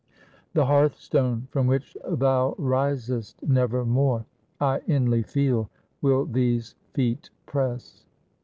"The hearth stone from which thou risest, never more, I inly feel, will these feet press.